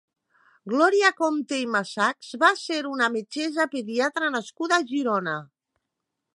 Glòria Compte i Massachs va ser una metgessa pediatra nascuda a Girona.